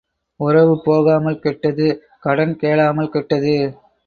உறவு போகாமல் கெட்டது கடன் கேளாமல் கெட்டது.